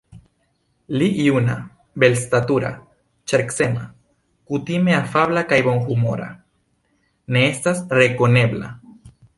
Li, juna, belstatura, ŝercema, kutime afabla kaj bonhumora, ne estas rekonebla.